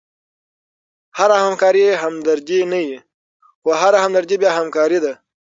هره همکاري همدردي نه يي؛ خو هره همدردي بیا همکاري ده.